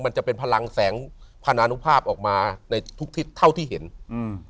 มันจะเป็นพลังแสงพนานุภาพออกมาในทุกทิศเท่าที่เห็นอืม